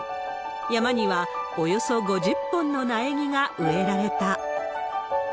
山には、およそ５０本の苗木が植えられた。